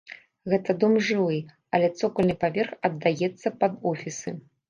Гэта дом жылы, але цокальны паверх аддаецца пад офісы.